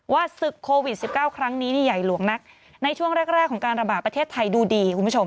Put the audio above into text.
ศึกโควิด๑๙ครั้งนี้นี่ใหญ่หลวงนักในช่วงแรกของการระบาดประเทศไทยดูดีคุณผู้ชม